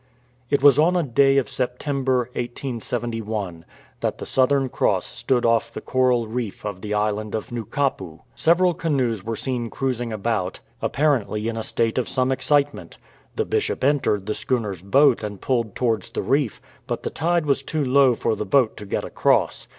It was on a day of September, 1871, that the Southern Cross stood off the coral reef of the island of Nukapu. Several canoes were seen cruising about, apparently in a state of some excitement. The Bishop entered the schooner's boat and pulled towards the reef, but the tide was too low for the boat to get across.